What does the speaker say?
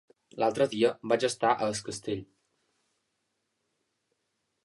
L'altre dia vaig estar a Es Castell.